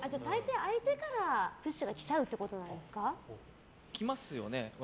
相手から来ちゃうってことなんですか？